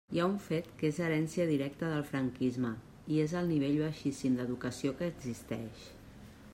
Hi ha un fet que és herència directa del franquisme, i és el nivell baixíssim d'educació que existeix.